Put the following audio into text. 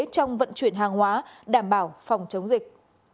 trong vận chuyển hàng hóa đảm bảo phòng chống dịch